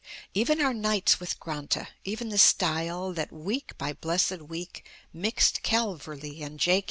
Even our nights with "Granta," even The style that, week by blessed week, Mixed Calverley and J.